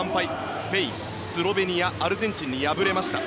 スペイン、スロベニアアルゼンチンに敗れました。